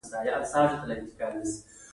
متغیره پانګه او ثابته پانګه لګښتونه جوړوي